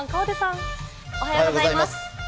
おはようございます。